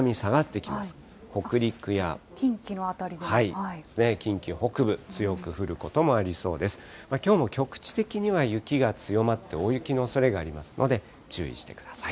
きょうも局地的には雪が強まって大雪のおそれがありますので、注意してください。